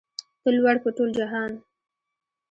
ته لوړ په ټول جهان